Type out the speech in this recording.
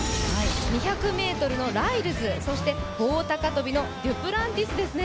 ２００ｍのライルズ、そして棒高跳のデュプランティスですね。